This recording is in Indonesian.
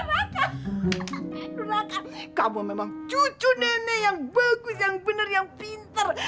raka raka raka kamu memang cucu nenek yang bagus yang bener yang pinter